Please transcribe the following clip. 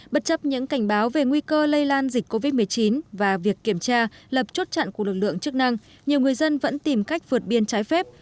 bất chấp những cảnh báo về nguy cơ lây lan dịch covid một mươi chín và việc kiểm tra lập chốt chặn của lực lượng chức năng nhiều người dân vẫn tìm cách vượt biên trái phép